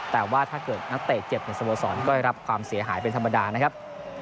แต่ว่าถ้าเกิดนักเตะเจ็บในสโมสรก็ได้รับความเสียหายเป็นธรรมดานะครับ